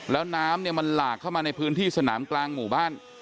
แล้วน้ำเนี่ยมันหลากเข้ามาในพื้นที่สนามกลางหมู่บ้าน